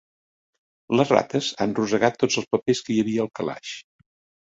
Les rates han rosegat tots els papers que hi havia al calaix.